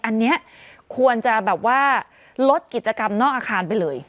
อันนี้ควรจะแบบว่าลดกิจกรรมนอกอาคารไปเลย